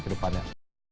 terima kasih pak